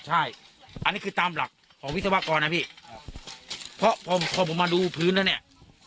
ใช่อันนี้คือตามหลักของวิศวกรนะพี่ครับเพราะพอพอผมมาดูพื้นแล้วเนี่ย